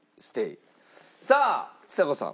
さあちさ子さん。